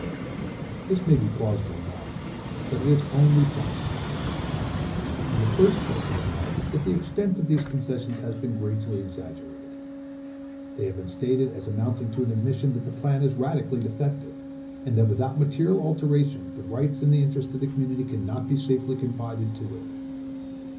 This may be plausible enough, but it is only plausible. In the first place I remark, that the extent of these concessions has been greatly exaggerated. They have been stated as amounting to an admission that the plan is radically defective, and that without material alterations the rights and the interests of the community cannot be safely confided to it.